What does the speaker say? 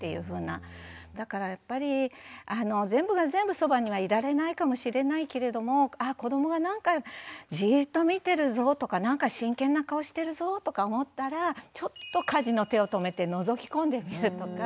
だからやっぱり全部が全部そばにはいられないかもしれないけれどもあ子どもがなんかじっと見てるぞとかなんか真剣な顔してるぞとか思ったらちょっと家事の手を止めてのぞき込んでみるとか。